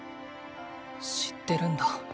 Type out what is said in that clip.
知ってるんだ。